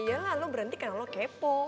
yaelah lo berhenti karena lo kepo